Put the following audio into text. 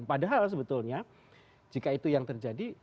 padahal sebetulnya jika itu yang terjadi